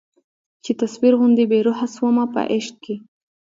چي تصویر غوندي بې روح سومه په عشق کي